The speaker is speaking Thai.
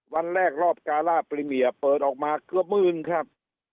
วันแรกรอบการ่าปรีเมียเปิดออกมาเกือบหมื่นครับ